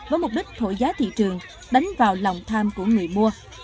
với mục đích thổi giá thị trường đánh vào lòng tham của người mua